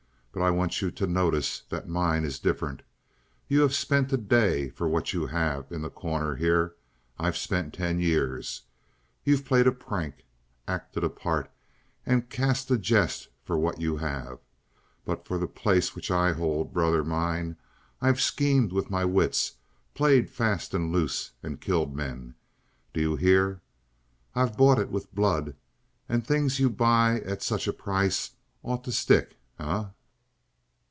But I want you to notice that mine is different. You've spent a day for what you have in The Corner, here. I've spent ten years. You've played a prank, acted a part, and cast a jest for what you have. But for the place which I hold, brother mine, I've schemed with my wits, played fast and loose, and killed men. Do you hear? I've bought it with blood, and things you buy at such a price ought to stick, eh?"